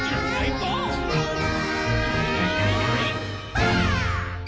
ばあっ！